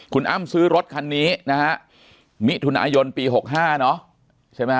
คุณอ้ำซื้อรถคันนี้นะฮะมิถุนายนปี๖๕เนอะใช่ไหม